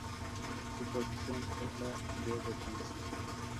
Su posición es la de Defensa.